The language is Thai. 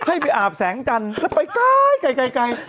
ให้ไปอาบแสงจันทร์แล้วไปไกล